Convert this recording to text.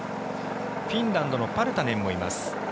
フィンランドのパルタネンもいます。